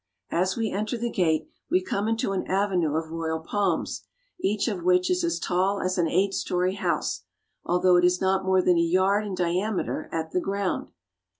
As we enter the gate we come into an avenue of royal palms, each of which is as tall as an eight story house, although it is not more than a yard in diameter at the ground.